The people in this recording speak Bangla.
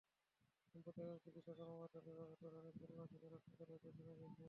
সম্প্রতি একজন চিকিৎসা কর্মকর্তা দিবাজাত রনি খুলনা সদর হাসপাতালে প্রেষণে গেছেন।